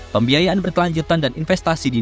pembiayaan berkelanjutan dan investasi di